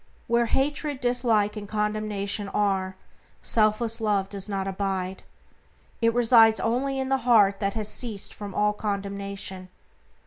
Where hatred, dislike, and condemnation are, selfless Love does not abide. It resides only in the heart that has ceased from all condemnation.